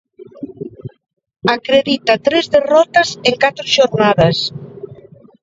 Acredita tres derrotas en catro xornadas.